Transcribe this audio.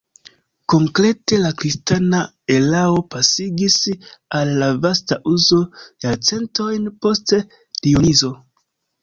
Konkrete la kristana erao pasigis al la vasta uzo jarcentojn post Dionizo.